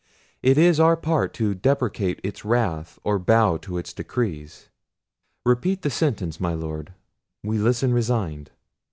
It is our part to deprecate its wrath, or bow to its decrees. Repeat the sentence, my Lord; we listen resigned."